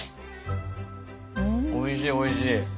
おいしいおいしい。